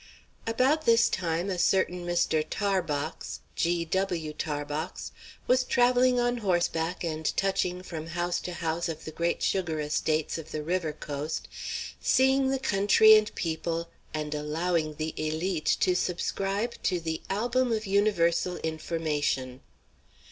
About this time a certain Mr. Tarbox G. W. Tarbox was travelling on horseback and touching from house to house of the great sugar estates of the river "coast," seeing the country and people, and allowing the élite to subscribe to the "Album of Universal Information."